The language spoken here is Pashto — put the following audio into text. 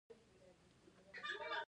د خلکو سره حسد مه کوی.